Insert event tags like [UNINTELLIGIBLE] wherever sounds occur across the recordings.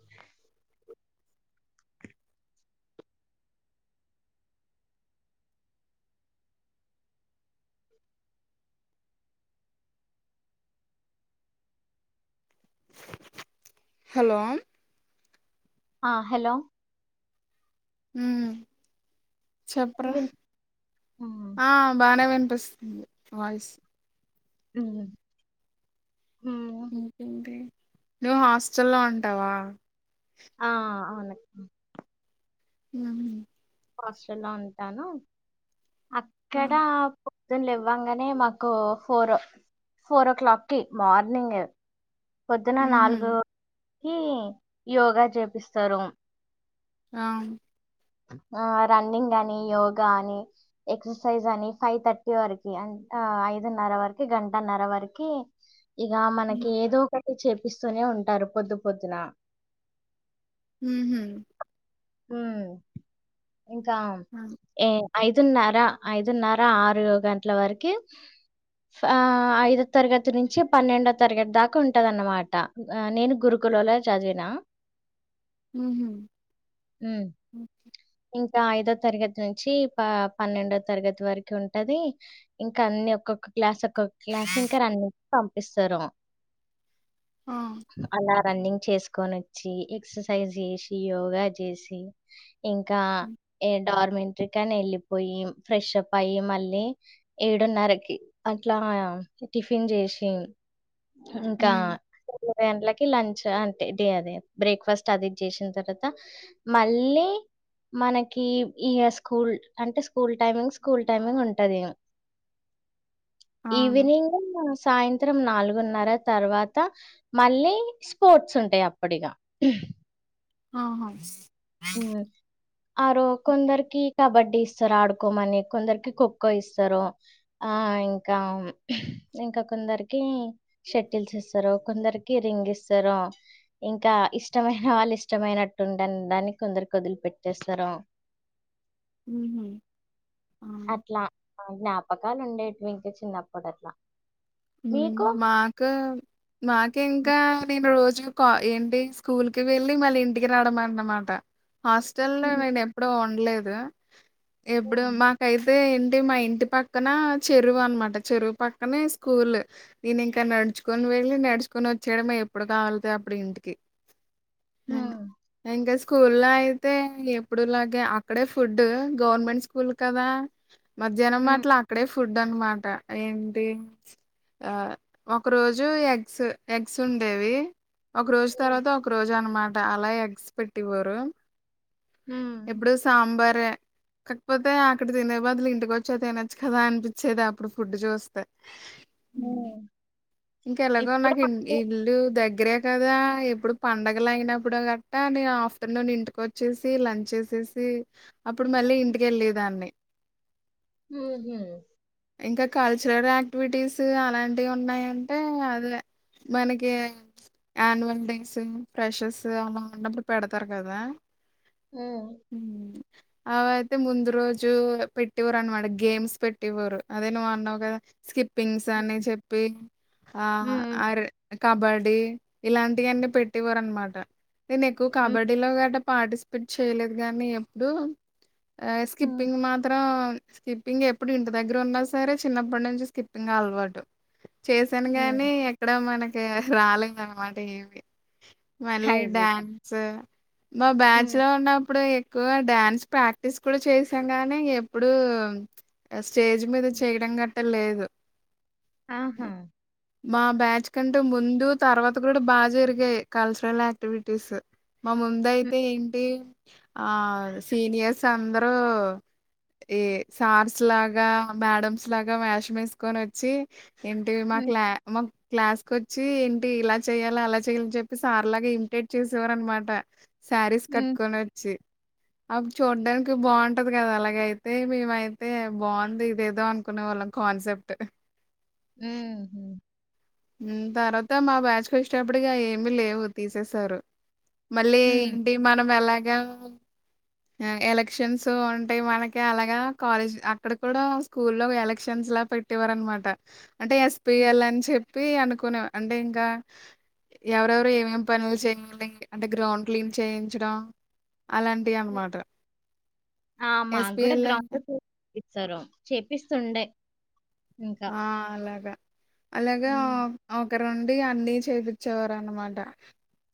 ఆహా హలో ఆ హలో ఉ చెప్పరా విన్ హ్మ్ ఆ బానే వినిపిస్తుంది వయిస్ ఉ ఇకేంటి నువ్వు హాస్టల్ల్లో ఉంటావా ఆ అవును ఉ హాస్టల్ లో ఉంటాను ఆ అక్కడ పొద్దున లేవగానే మాకు ఫోర్ ఫోర్ ఓ క్లాక్ కి మార్నింగ్ పొద్దున మ్మ్ నాలుగుకి యోగా చేపిస్తారు ఆ ఆ రన్నింగ్ అని యోగా అని ఎక్సర్సైజ్ అని ఫైవ్ థర్టీ వరకి ఐదున్నర వరకి గంటన్నర వరకి ఇగా మ్మ్ మనకి ఏదో ఒకటి చేపిస్తూనే ఉంటారు పొద్దు పొద్దున ఉ ఉ ఇంకా ఉ ఏ ఐదున్నర ఐదున్నర ఆరు గంటల వరకి ఆ ఐదో తరగతి నుంచి పన్నెండో తరగతి దాకా ఉంటదిన్నమాట నేను గురు గురుకులాల్లో చదివిన ఉ హు ఉ ఇంకా ఐదో తరగతి నుంచి ప పన్నెండో తరగతి వరకు ఉంటది ఇంకా అన్ని ఒక్కొక్క క్లాస్ ఒక్కొక్క క్లాస్ ఇంకా రన్ని పంపిస్తారు ఆ అలా రన్నింగ్ చేసుకొని వచ్చి ఎక్సర్సైజ్ చేసి యోగా చేసి ఇంకా ఏ డార్మెంటరీ కాని వెళ్ళిపోయి ఫ్రెష్ అప్ అయి మళ్ళీ ఏడున్నరకి అట్లా టిఫిన్ చేసి ఇంకా మ్మ్ ఇవైంటలకి లంచ్ అంటే డే అదే బ్రేక్ఫాస్ట్ అది ఇది చేసిన తర్వాత మళ్ళీ మనకి ఈ స్కూల్ అంటే స్కూల్ టైమింగ్ స్కూల్ టైమింగ్ ఉంటది అవును ఈవినింగ్ సాయంత్రం నాలుగున్నర తర్వాత మళ్ళీ స్పోర్ట్స్ ఉంటాయి అప్పుటిగా ఆహా ఆ ఆరో కొందరికి కబడ్డీ ఇస్తారు ఆడుకోమని కొందరికి ఖోఖో ఇస్తారు ఆ ఇంకా ఇంకా కొందరికి షటిల్స్ ఇస్తారు కొందరికి రింగ్ ఇస్తారు ఇంకా ఇష్టమైన వాళ్ళు ఇష్టమైనట్టుండని దానికి కొందరు కదిలి పెట్టేస్తారు మ్మ్ ఆ అట్లా జ్ఞాపకాలు ఉండేట్వి ఇంకా చిన్నప్పుడు అట్లా మాకు నాకు ఇంకా నేను రోజు ఏంటి స్కూల్ కి వెళ్ళి మళ్ళీ ఇంటికి రావడమన్నమాట హాస్టల్ లో హ్మ్. నేను ఎప్పుడు ఉండలేదు ఎప్పుడు హ్మ్. మాకు అయితే ఏంటి మా ఇంటి పక్కన చెరువు అనమాట చెరువు పక్కనే స్కూల్ నేను ఇంకా నడుచుకొని వెళ్ళి నడుచుకొని వచ్చేయడమే ఎప్పుడు కావాలతె అప్పుడు ఇంటికి హ్మ్. అ ఇంకా స్కూల్ లో అయితే ఎప్పుడులాగే అక్కడే ఫుడ్ గవర్నమెంట్ స్కూల్ కదా మధ్యాహ్నం హ్మ్. మాట్ల అక్కడే ఫుడ్ అనమాట ఏంటి ఆ ఒక రోజు ఎగ్స్ ఎగ్స్ ఉండేవి ఒక రోజు హ్మ్. హ్మ్. తర్వాత ఒక ఒకరోజు అనమాట అలా ఎగ్స్ పెట్టివారు హ్మ్. ఎప్పుడు సాంబార్ ఏ కాకపోతే అక్కడ తినే బదులు ఇంటికి వచ్చి తినొచ్చు కదా అనిపించేది అప్పుడు ఫుడ్ చూస్తే హ్మ్. ఇంకా ఎలాగో ఇప్పుడు నాకు ఇంటి ఇల్లు దగ్గరే కదా ఎప్పుడు పండగలు అయినప్పుడు గట్ట్రా నే ఆఫ్ నేను ఇంటికొచ్చేసి లంచ్ చేసేసి అప్పుడు మళ్ళీ ఇంటికి వెళ్ళే దాన్ని ఉహు ఇంకా కల్చరల్ యాక్టివిటీస్ అలాంటివి ఉన్నాయంటే అదే మనకి ఆన్వల్ డేస్ ఫ్రెషర్స్ అలా ఉన్నప్పుడు పెడతారు కదా ఆ అవయితే ముందు రోజు పెట్టేవరు అనమాట గేమ్స్ పెట్టేవారు అదే నువ్వు అన్నావ్ కదా స్కిప్పింగ్స్ అని హ్మ్. చెప్పి ఆ హ్మ్. అరే కబడ్డీ ఇలాంటివన్ని పెట్టేవారు అనమాట నేను ఎక్కువ హ్మ్. కబడ్డీలో ఆడె పార్టిసిపేట్ చేయలేదు కానీ ఎప్పుడు హ్మ్. స్కిప్పింగ్ మాత్రం స్కిప్పింగ్ ఎప్పుడు ఇంటి దగ్గర ఉన్నా సరే చిన్నప్పటి నుంచి స్కిప్పింగ్ అలవాటు చేశాను హ్మ్. గానీ ఎక్కడ మనకి రాలేదు అనమాట ఏమి మళ్లీ హైజీసం. డ్యాన్స్ మా బ్యాచ్ హ్మ్. లో ఉన్నప్పుడు ఎక్కువ డ్యాన్స్ ప్రాక్టీస్ కూడా చేసాం గానీ ఎప్పుడుూ స్టేజ్ మీద చేయడం గట్ట లేదు ఆహా మా బ్యాచ్ కంటే ముందు తర్వాత కూడా బాగా జరిగాయి కల్చరల్ యాక్టివిటీస్ మా ముంద హ్మ్. అయితే ఏంటి ఆ సీనియర్స్ అందరూ ఏ సార్స్ లాగా మేడమ్స్ లాగా వేషం వెసుకొని వచ్చి ఏంటి మాకు హ్మ్. లా మా క్లాస్ కు వచ్చి ఏంటి ఇలా చెయ్యాలి అలా చెయ్యాలని చెప్పి సార్ లాగ ఇమిటేట్ చేసేవారు అనమాట శారీస్ హ్మ్. కట్టుకొని వచ్చి అవి చూడాటానికి బాగుంటది కదా అలాగైతే మేమయితే బాగుంది ఏదో అనుకునే వాళ్ళం కాన్సెప్ట్ ఉమ్ తర్వాత మా బ్యాచ్ కు వచ్చేటప్పటికి ఏమి లేవు తీసేసారు మళ్లీ హ్మ్. ఎంటి మనం ఎలాగ ఎలక్షన్స్ ఉంటాయి మనకి అలాగా కాలేజ్ అక్కడ కూడా స్కూల్ లో ఎలక్షన్స్ లా పెట్ పెట్టేవారు అనమాట అంటే హ్మ్. ఎస్పిఎల్ అని చెప్పి అనుకునే అంటే ఇంకా ఎవరెవరు ఏమేమి పనులు చేయలి అంటే గ్రౌండ్ క్లీన్ చేయించడం అలాంటి ఆ మా కూడా ఎస్‌పీఎల్ అంటే గ్రౌండ్ ఫ్లోర్ ఇచ్చరో చేపిస్తుండే ఇంకా. ఆ అలగా అలగా హ్మ్. ఒకరుండీ అన్ని చేపిచ్చేవారు అనమాట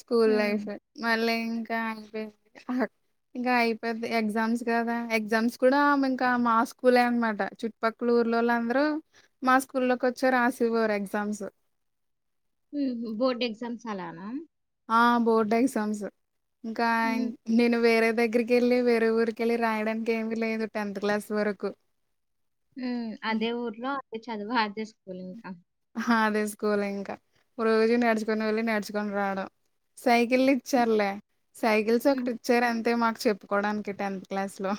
స్కూల్ హ్మ్. లైఫ్ మళ్ళీ ఇంకా అనిపీద్ హట్ ఇంకా అయిపోద్ధి ఎగ్జామ్స్ కదా ఎగ్జామ్స్ కూడా ఇంకా మా స్కూలే అనమాట చుట్ పక్లూర్లో వాళ్లు అందరూ మా స్కూల్లోకి వచ్చే రాసేవారు ఎగ్జామ్సు ఊహు బోర్డ్ ఎగ్జామ్స్ అలానా ఆ బోర్డు ఎగ్జామ్సు ఇంకా హ్మ్. నేను వేరే దగ్గరికి వెళ్ళి వేరే ఊరికి వెళ్ళి రాయడానికి ఏమి లేదు టెన్త్ క్లాస్ వరకు ఊ అదే ఊర్లో అదే చదువు అదే స్కూల్ ఇంకా అదే స్కూల్ ఇంకా రోజు నడుచుకొని వెళ్ళి నడుచుకొని రావడం. సైకిల్లిచ్చార్లే సైకిల్స్ హ్మ్. ఒకటి ఇచ్చర్ అంతే మాకు చెప్పుకోడానికి టెన్త్ క్లాస్ లో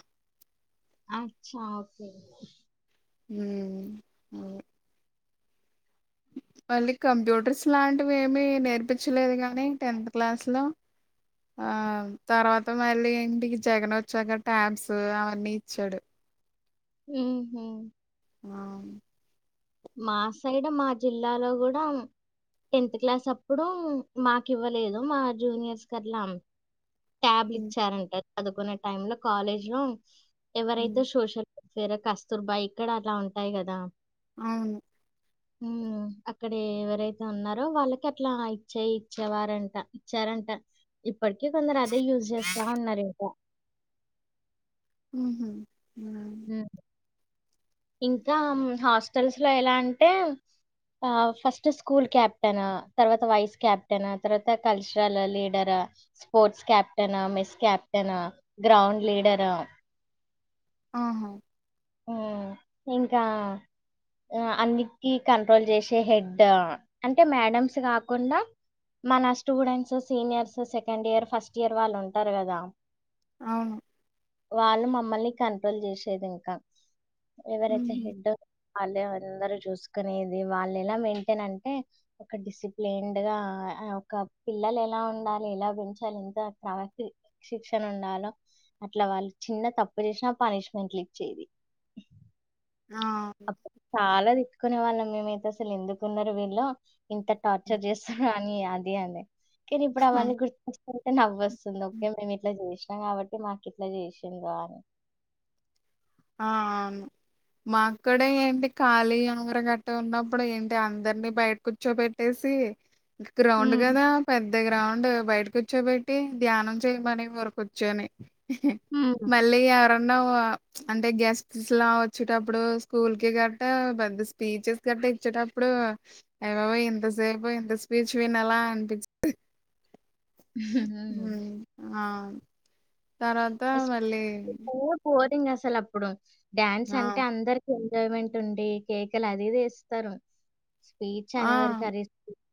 అచ్చా ఓకే ఊమ్ అవే మళ్లి కంప్యూటర్స్ లాంటివి ఏమీ నేర్పించలేదు గానీ టెన్త్ క్లాస్ లో ఆ తర్వాత మళ్ళీ ఇంటికి జగన్ వచ్చాక ట్యాబ్సూ అవన్నీ ఇచ్చాడు ఊహు ఆవును మా సైడు మా జిల్లాలో కూడా టెన్త్ క్లాస్ అప్పుడూ మాకు ఇవ్వలేదు మా జూనియర్స్ కట్లా ట్యాబ్లు ఉమ్ ఇచ్చారంట చదువుకునే టైంలో కాలేజ్ లో ఉమ్ ఎవరైతే సోషల్ వేరే కస్తూర్బాయ్ ఇక్కడ అట్లా ఉంటాయి కదా అవును ఊ అక్కడ ఏవరైతే ఉన్నారో వాళ్ళకి అట్లా ఇచ్చెయ్ ఇచ్చేవారంట ఇచ్చారంట ఇప్పటికి కొందరు అదే యూజ్ చేస్తా ఉన్నారు ఇంకా ఊహు ఊ ఇంకా హాస్టల్స్ లో ఎలా అంటే ఆ ఫస్టు స్కూల్ క్యాప్టెనూ తర్వాత వైస్ క్యాప్టెనూ తర్వాత cultural leader sports captain mess captain ground leader ఆహో ఊ ఇంకా ఊ అన్నిట్కీ కంట్రోల్ చేసే హెడ్డూ అంటే మేడమ్సు కాకుండా మన students seniors second year first year వాళ్ళు ఉంటారు కదా అవును వాళ్ళు మమ్మల్ని కంట్రోల్ చేసే దింకా ఎవరైతే ఉహు హెడ్డు వాళ్ళే అందరూ చూసుకునేది వాళ్ళు ఎలా మెయింటెన్ అంటే ఒక డిసిప్లైన్డ్ గా ఒక పిల్లలు ఎలా ఉండాలి ఎలా పెంచాలి ఎంత ప్రాతి శిక్షణ ఉండాలో అట్లా వాళ్ళు చిన్న తప్పు చేసినా పనిష్మెంట్లు ఇచ్చేది. ఆ అప్ చాలా తిట్టుకునే వాళ్ళం మేమైతే అసలు ఎందుకున్నరు వీల్లో ఇంత టార్చర్ చేస్సరు అనీ అదే అండి ఇక ఇప్పుడు అవన్నీగుర్తొస్తుంటే నవ్వొస్ స్తుంది ఓకే మేము ఇట్ల చేసినాం కాబట్టి మాకు ఇట్ల చేసిండ్రా అని ఆ అవును మాక్కూడా ఏంటి ఖాళీ ఉంగరగట్ట ఉన్నప్పుడు ఏంటి అందరినీ బయట కూర్చో పెట్టేసి ఇంకా గ్రౌండ్ ఉమ్, కదా పెద్ద గ్రౌండ్ బయట కూర్చొబెట్టి ధ్యానం చేయమనే వారు కుర్చొని ఉను లే యరన్నా‌వా అంటే గెస్ట్స్ లా వచ్చేటప్పుడు స్కూల్ కి గట్ట పెద్ద స్పీచెస్ గట్ట ఇచ్చేటప్పుడు అయ్యాబాబొయ్ ఎంత సేపు ఇంత స్పీచ్ వినలా అనిపిస్తాది ఆ తర్వాత మళ్ళీ పొటింగ్ అసలు అప్పుడు డ్యాన్స్ ఆ అంటే అందరు ఎంజాయ్మెంట్ ఉండి కేకలు అది ఇదీ యేస్తారు స్పీచ్ ఆ అనే వరికే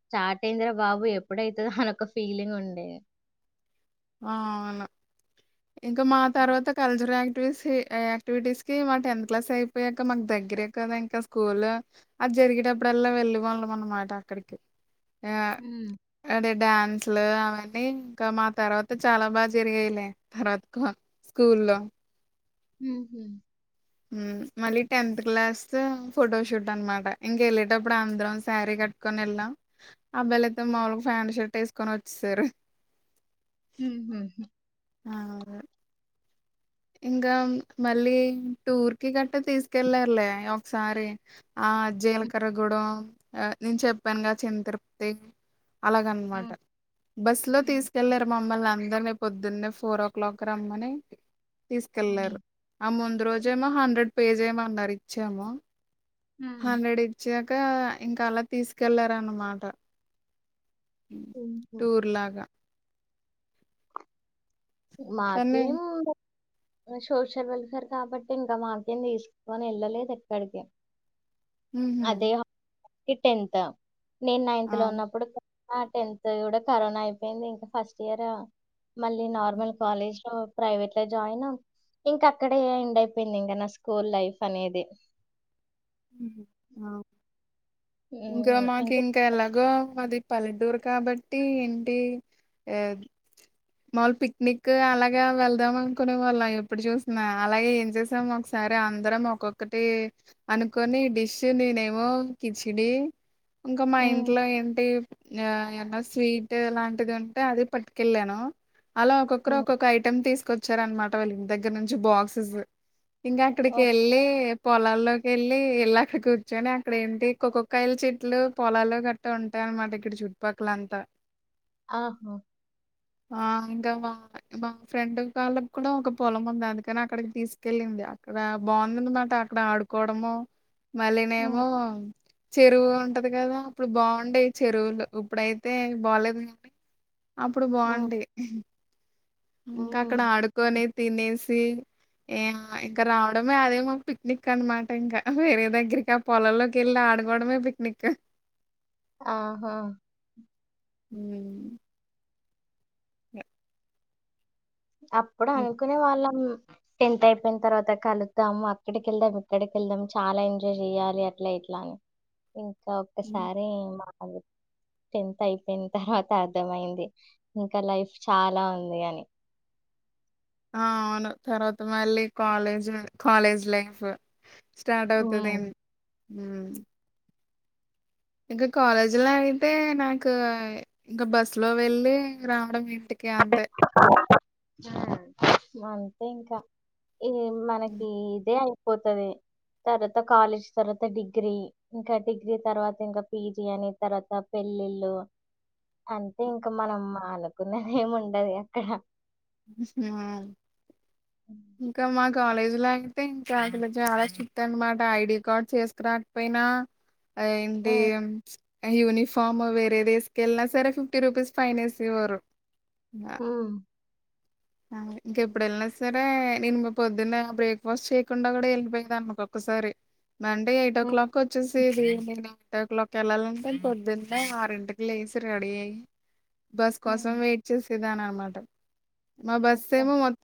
స్టార్ట్ అయిందిరా బాబు ఎప్పుడైతాదో అనే ఒక ఫీలింగ్ ఉండే అవును ఇంకా మా తర్వాత కల్చరల్ యాక్టివిటీస్ ఏ యాక్టివిటీస్కి మా టెన్త్ క్లాస్ అయిపోయాక మాకు దగ్గరే కదా ఇంకా స్కూలు అది జరిగేటప్పుడు అల్లా వెళ్ళే వాళ్ళం అన్నమాట అక్కడికి ఆ ఉమ్, అంటే డ్యాన్స్ లు అవన్నీ ఇంకా మా తర్వాత అంటే చాలా బాగా జరిగాయిలే తర్వాత స్కూల్లో ఉహు మ్మ్ మళ్ళీ టెన్త్ క్లాస్ లో ఫొటోషూట్ అన్నమాట ఇంక వెళ్ళేటప్పుడు అందరం శారీ కట్ కొని వెళ్ళాం అబ్బాయిలు అయితే ఉమ్, మాములుగా ఫ్యాంట్ షర్ట్ వేసుకొని వచ్చేసారు మ్మ్ హ్మ్ అవారు ఇంగా మళ్ళీ టూర్ కి గట్టా తీసుకెళ్ళారులే ఒకసారి ఆ ఉమ్, జీలకర్రగూడెం ఆ నేను చెప్పానుగా చిన్న తిరుపతి అలాగ అన్నమాట ఉమ్, బస్ లో ఉమ్. తీసుకెళ్ళారు మమ్మల్ని అందరని పొద్దున్నే ఫోర్ ఓ క్లాక్ కీ రమ్మని తీసుకెళ్లారు ఆ ముందు రోజేమో హండ్రెడ్ పే చేయమాన్నరు ఇచ్చాము ఉమ్. హండ్రెడ్ ఇచ్చాక ఇంకా అలా తీసుకెళ్లారు అన్నమాట ఉనా టూర్ లాగా కానీ మారుతిని ఏం సోషల్ వెల్ఫేర్ కాబట్టి ఇంకా మారుతిని నుంచి తీసుకొని వెళ్ళలేదు ఎక్కడికి ఉహు అదే టెన్త్ నేను నైన్త్ ఆ లో ఉన్నప్పుడు ఆ టెన్త్ కూడా కరోనా అయిపోయింది ఇంకా ఫస్ట్ ఇయర్ మళ్ళీ నార్మల్ కాలేజ్ లో ప్రైవేట్ లో జాయిన్ అవ్ ఇంకా అక్కడే ఎండ్ అయిపోయింది ఇంకా నా స్కూల్ లైఫ్ అనేది ఇంకా మాకి ఎలాగో మాది పల్లెటూరు కాబట్టి ఏంటి మాములు పిక్నిక్ అలాగ వెళ్దాం అనుకునే వాళ్ళం ఎప్పుడు చూసిన అలాగే ఏం చేసామో సరే అందరం ఒక్కొక్కటి అనుకొని ఈ డిష్ నేనేమో కిచిడి ఇంకా మా ఉమ్, ఇంట్లో ఏంటి ఆ ఏమన్నా స్వీట్ అలాంటిది ఉంటే అది పట్టుకెళ్ళాను అలా ఒక్కొక్కరు ఉమ్, ఒక్కొక్క ఐటెమ్ తీసుకొచ్చారు అనమాట వాళ్ళ ఇంటి దగ్గర నుంచి బాక్సెస్ ఇంగా అక్కడికి ఓకే యేళ్ళి పొలాల్లోకి వెళ్ళి వెళ్ళి అక్కడ కూర్చొని అక్కడ ఏంటి కొక్కొక్కయాల చెట్లు పొలాల్లో కట్లా అ ఉంటాయి అనమాట ఇక్కడ చుట్టుపక్కలంతా ఆహా ఆ ఇంకా మా మా ఫ్రెండ్ వాళ్ళకి కూడా ఒక పొలం ఉంది అందుకని అక్కడికి తీసుకు కెళ్ళింది అక్కడ బాగుందన్నమాట అక్కడ ఆడుకోవడము ఉమ్, మళ్ళనేమో చెరువు ఉంటది కదా ఇప్పుడు బాగుండేయి చెరువులు ఇప్పుడయితే బాలేదు కాండి అప్పుడు ఉమ్, బాగుండి ఇంకా అక్కడ ఉమ్. ఆడుకని తినేసి ఏ ఇంక రావడమే అదేమకు పిక్నిక్ అనమాట ఇంకా వేరే దగ్గరికి పొలల్లోకి వెళ్ళి ఆడుకోవడమే పిక్నిక్ ఆహా ఊ అప్పుడు అనుకునే వాళ్ళం టెన్త్ అయిపోయిన తర్వాత కలుతాము అక్కడికి వెళ్దాం ఇక్కడికి వెళ్దాం చాలా ఎంజాయ్ చెయాలి అట్లా ఇట్లా అని ఇంకా ఒక్కసారి మాది టెన్త్ అయిపోయిన తర్వాత అర్థ అయింది ఇంకా లైఫ్ చాలా ఉంది అని ఆ అవును తర్వాత మళ్ళీ కాలేజ్ కాలేజ్ లైఫ్ స్టార్ట్ ఉమ్. అవుతది ఏం ఉమ్. ఊ ఇంకా కాలేజీలో అయితే నాకు ఇంకా బస్సు లో వెళ్ళి రావడం ఇంటికి అంతే ఆ అంతే ఇంకా ఏం హ్మ్ మనకి ఇదే అయిపోతది తర్వాత కాలేజ్ తర్వాత డిగ్రీ ఇంకా డిగ్రీ తర్వాత ఇంకా పీజి అని తర్వాత పెళ్ళిళ్ళు అంతే ఇంకా మనం అనుకున్నది ఏము ఉండది అక్కడ [UNINTELLIGIBLE] ఊ ఇంకా మా కాలేజీలో అయితే ఇంకా అలా చాలా స్ట్రిక్ట్ అనమాట ఐడి కార్డ్ చేసుకురా పోయినా ఆ ఇంటి యూనిఫార్మ్ వేరెదేసుకెల్లనా సరే ఫిఫ్టీ రూపీస్ ఫైనేసి వారు ఇగ ఉమ్. ఇంకా ఇప్పుడు ఎలా సర అంటే నేను పొద్దున్న బ్రేక్ఫాస్ట్ చేయకుండా కూడా వెళ్ళిపోయిందాన్ని ఒక్కొక్కసారి మంటే ఎయిట్ ఓ ఉమ్, క్లాక్ వచ్చేసి ఇది నేను ఎయిట్ ఒ క్లాక్ వెళ్ళాలంటే పొద్దుంటే ఆరింటికి లేసి రెడీ అయ్యి బస్ కోసం ఉమ్, వెయిట్ చేసేదాన్ని అనమాట మా బస్ ఓకే ఏమో మొత్తం